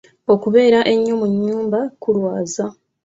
Okubeera ennyo mu nnyumba kulwaza.